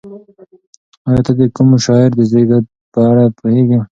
ایا ته د کوم شاعر د زېږد په اړه پوهېږې؟